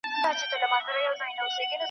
وږې پيشي د زمري سره جنکېږي